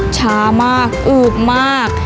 ช้ามากอืบมาก